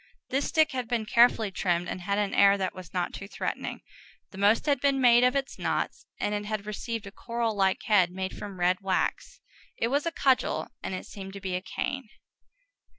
This stick had been carefully trimmed, and had an air that was not too threatening; the most had been made of its knots, and it had received a coral like head, made from red wax: it was a cudgel, and it seemed to be a cane.